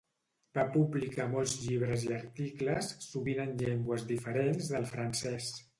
Va publicar molts llibres i articles, sovint en llengües diferents del francès.